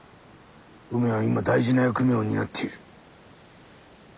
梅は今大事な役目を担っている。